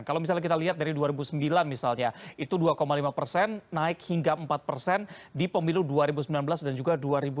kalau misalnya kita lihat dari dua ribu sembilan misalnya itu dua lima persen naik hingga empat persen di pemilu dua ribu sembilan belas dan juga dua ribu sembilan belas